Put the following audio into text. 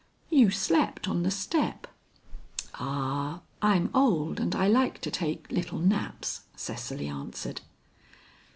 "You slept on the step." "Ah! I'm old and I like to take little naps," Cecily answered.